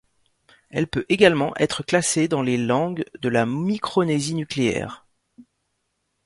Elle peut également être classée dans les langues de la Micronésie nucléaire.